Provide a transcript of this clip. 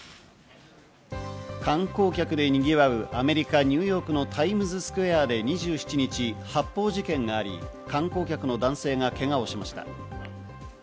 観光客でにぎわうアメリカ・ニューヨークのタイムズスクエアで２７日、発砲事件があり、観光客の男性がけがをしました。